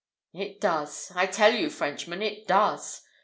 It does I tell you, Frenchman, it does.